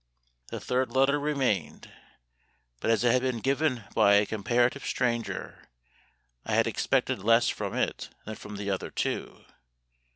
The third letter remained; but as it had been given by a comparative stranger, I had expected less from it than from the other two.